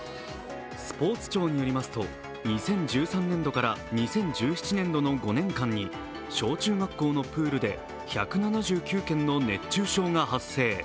スポーツ庁によりますと２０１３年度から２０１７年度の５年間に小中学校のプールで１７９件の熱中症が発生。